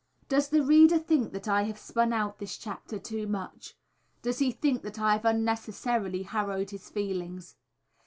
]Does the reader think that I have spun out this chapter too much? Does he think that I have unnecessarily harrowed his feelings?